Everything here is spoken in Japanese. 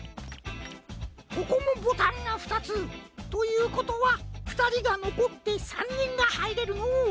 ここもボタンがふたつ。ということはふたりがのこって３にんがはいれるのう。